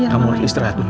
kamu istirahat dulu ya